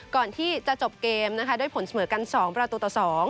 ก่อนที่จะจบเกมนะคะด้วยผลเสมอกัน๒ประตูต่อ๒